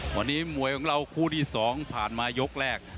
วันนี้มวยของเราคู่ที่๒ผ่านมายกแรก